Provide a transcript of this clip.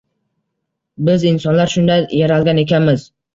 Biz insonlar shunday yaralgan ekanmiz